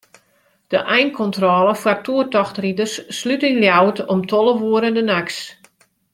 De einkontrôle foar toertochtriders slút yn Ljouwert om tolve oere de nachts.